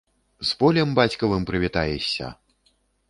З полем бацькавым прывітаешся!